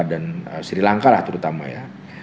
dan sri lanka lah terutama ya